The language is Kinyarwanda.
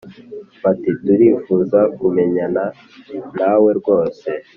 bati"turifuza kumenyana nawe rwose".